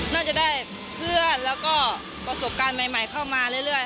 น่าจะได้เพื่อนแล้วก็ประสบการณ์ใหม่เข้ามาเรื่อย